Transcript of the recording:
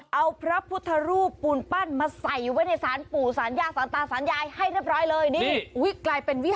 เอาพระพุทธรูปปู่นปั้นมาใส่อยู่ไว้ในศาลปู่